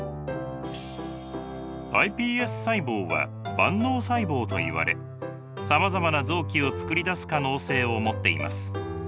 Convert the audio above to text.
ｉＰＳ細胞は万能細胞といわれさまざまな臓器をつくり出す可能性を持っています。